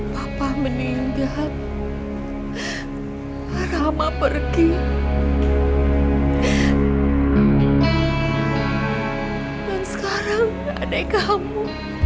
papa meninggal rama pergi dan sekarang adik kamu